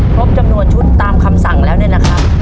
ครบจำนวนชุดตามคำสั่งแล้วเนี่ยนะครับ